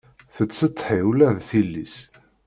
Tettsetḥi ula d tili-s